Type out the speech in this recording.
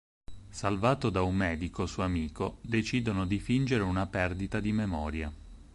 Salvato da un medico suo amico decidono di fingere una perdita di memoria.